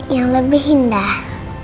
yang lebih indah